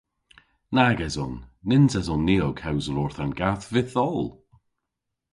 Nag eson. Nyns eson ni ow kewsel orth an gath vytholl.